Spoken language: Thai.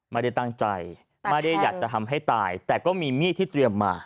ไม่ได้ตั้งใจไม่ได้อยากจะทำให้ตายแต่ก็มีมีดที่เตรียมมา